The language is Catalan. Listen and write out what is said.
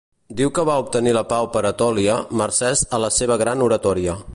Diu que va obtenir la pau per Etòlia mercès a la seva gran oratòria.